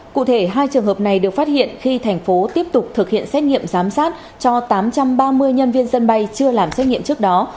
cụ thể hai trường hợp này được phát hiện khi thành phố tiếp tục thực hiện xét nghiệm giám sát cho tám trăm ba mươi nhân viên sân bay chưa làm xét nghiệm trước đó